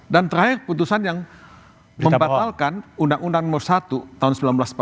dan terakhir putusan yang membatalkan undang undang no satu tahun seribu sembilan ratus empat puluh enam